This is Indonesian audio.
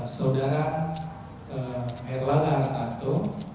saudara herlana ratato